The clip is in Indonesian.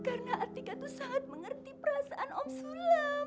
karena atika tuh sehat mengerti perasaan om sulam